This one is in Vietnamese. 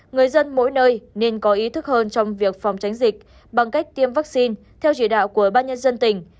người dân mỗi nơi nên có ý thức hơn trong việc phòng tránh dịch bằng cách tiêm vaccine theo chỉ đạo của ban nhân dân tỉnh